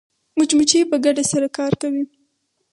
مچمچۍ په ګډه سره کار کوي